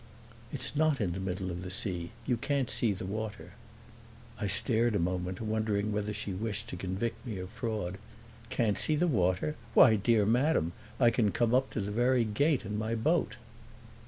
"It's not in the middle of the sea; you can't see the water." I stared a moment, wondering whether she wished to convict me of fraud. "Can't see the water? Why, dear madam, I can come up to the very gate in my boat."